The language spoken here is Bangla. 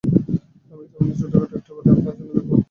আমি তেমনি ছোটখাটো একটা বাড়ি আপনার জন্যে দেখব।